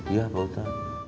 iya pak ustadz